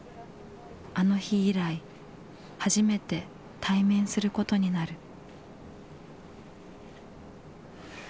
あの日以来初めて対面することになる。